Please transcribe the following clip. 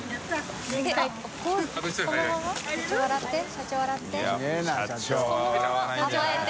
社長笑って。